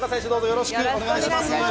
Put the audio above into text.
よろしくお願いします。